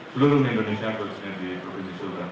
seluruh indonesia khususnya di provinsi sultan